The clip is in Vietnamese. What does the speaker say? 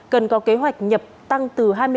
cần có kế hoạch nhập tăng từ hai mươi năm